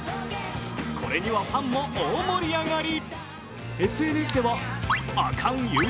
これにはファンも大盛り上がり。